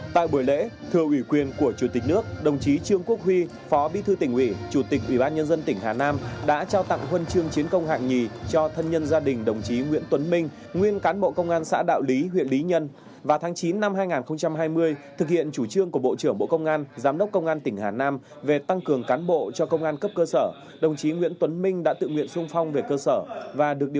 sáng nay công an tỉnh hà nam tổ chức lễ truy tặng huân chương chiến công hạng nhì cho đại úy nguyễn tuấn minh nguyên cán bộ công an xã đạo lý huyện lý nhân tỉnh hà nam hy sinh trong khi làm nhiệm vụ